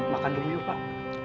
makan dulu pak